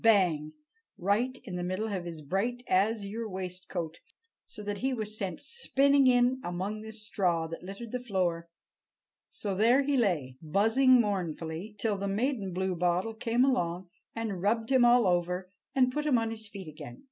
bang! right in the middle of his bright azure waistcoat, so that he was sent spinning in among the straw that littered the floor. So there he lay, buzzing mournfully, till the maiden bluebottle came along and rubbed him all over, and put him on his feet again.